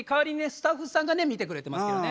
スタッフさんがね見てくれてますけどね。